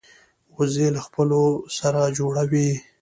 وزې له خپلو سره جوړه وي